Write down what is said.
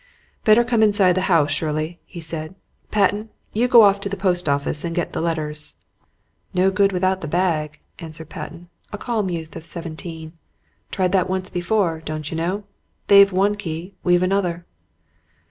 "Better come inside the house, Shirley," he said. "Patten, you go to the post office and get the letters." "No good without the bag," answered Patten, a calm youth of seventeen. "Tried that once before. Don't you know! they've one key we've another."